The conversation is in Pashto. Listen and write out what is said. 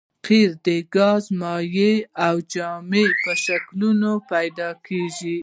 قیر د ګاز مایع او جامد په شکلونو پیدا کیږي